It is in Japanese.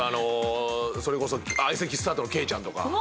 それこそ相席スタートのケイちゃんとか。